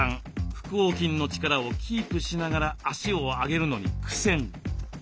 腹横筋の力をキープしながら足を上げるのに苦戦。